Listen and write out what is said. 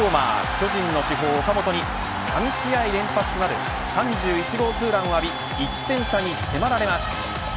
巨人の主砲、岡本に３試合連発となる３１号２ランを浴び１点差に迫られます。